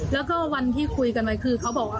แล้วก็วันที่คุยกันไว้คือเขาบอกว่า